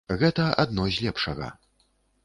Гэта адно з лепшага.